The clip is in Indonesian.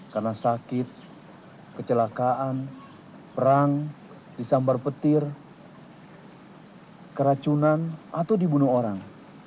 karena sakit kecelakaan perang disambar petir keracunan atau dibunuh orang